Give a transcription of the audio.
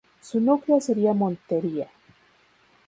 Su núcleo sería Montería.